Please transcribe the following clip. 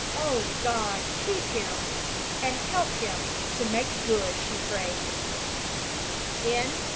"Oh, God, keep him, and help him to make good!" she prayed.